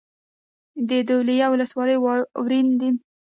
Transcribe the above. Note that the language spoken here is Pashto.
د دولینه ولسوالۍ واورین ده